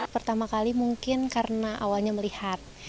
pertama kali mungkin karena awalnya melihat